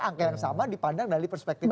angka yang sama dipandang dari perspektif